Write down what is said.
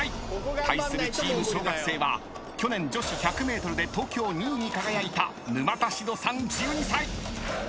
対するチーム小学生は去年女子１００ｍで東京２位に輝いた沼田志都さん１２歳。